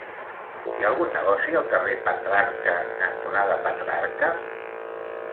Hi ha algun negoci al carrer Petrarca cantonada Petrarca?